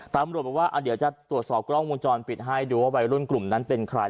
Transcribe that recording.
ตำรวจบอกว่าเดี๋ยวจะตรวจสอบกล้องวงจรปิดให้ดูว่าวัยรุ่นกลุ่มนั้นเป็นใคร